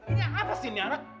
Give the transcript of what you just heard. ini apa sih ini anak